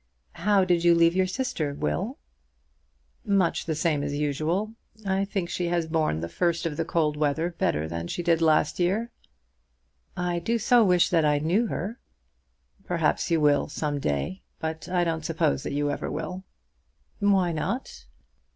"How did you leave your sister, Will?" "Much the same as usual. I think she has borne the first of the cold weather better than she did last year." "I do so wish that I knew her." "Perhaps you will some day. But I don't suppose that you ever will." "Why not?"